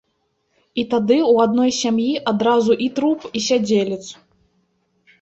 І тады ў адной сям'і адразу і труп, і сядзелец.